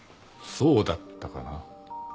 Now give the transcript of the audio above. そうだったかな？